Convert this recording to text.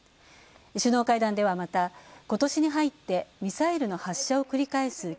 首脳会談では、またことしに入ってミサイルの発射を繰り返す